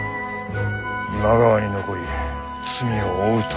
今川に残り罪を負うと。